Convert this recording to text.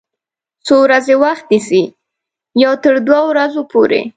څو ورځې وخت نیسي؟ یوه تر دوه ورځو پوری